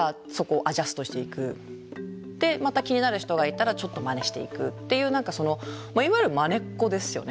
でまた気になる人がいたらちょっとまねしていくっていう何かそのいわゆるまねっこですよね。